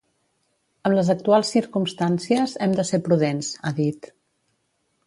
Amb les actuals circumstàncies hem de ser prudents, ha dit.